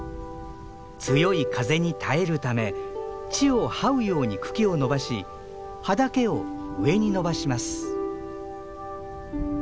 強い風に耐えるため地をはうように茎を伸ばし葉だけを上に伸ばします。